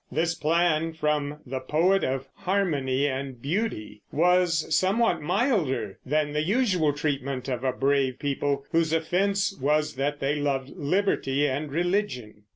This plan, from the poet of harmony and beauty, was somewhat milder than the usual treatment of a brave people whose offense was that they loved liberty and religion.